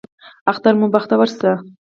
اختر مو بختور شه